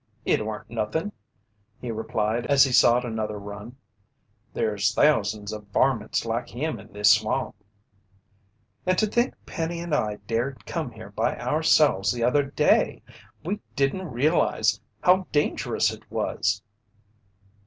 "It weren't nothin'," he replied as he sought another run. "There's thousands o' varmints like him in this swamp." "And to think Penny and I dared come here by ourselves the other day! We didn't realize how dangerous it was!"